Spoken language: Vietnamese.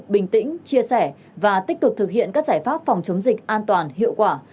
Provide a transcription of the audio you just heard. bình tĩnh chia sẻ và tích cực thực hiện các giải pháp phòng chống dịch an toàn hiệu quả